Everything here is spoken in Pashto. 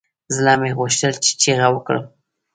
زړه مې غوښتل چې چيغه وکړم.